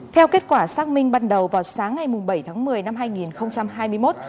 theo kết quả xác minh ban đầu vào sáng ngày bảy tháng một mươi năm hai nghìn hai mươi một